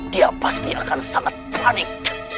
dia pasti akan sangat panik